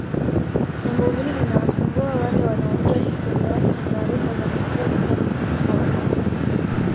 Jambo hili linawasumbua wale wanaojua historia yake ni taarifa za kutupwa kwa watoto